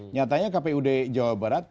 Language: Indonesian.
nyatanya kpud jawa barat